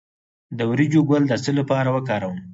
د وریجو ګل د څه لپاره وکاروم؟